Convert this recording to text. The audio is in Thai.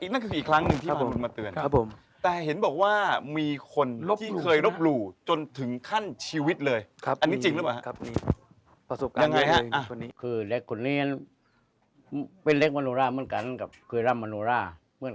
นั่นคืออีกครั้งนึงที่บางคนมาเตือน